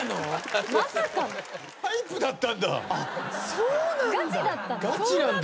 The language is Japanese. そうなんだ。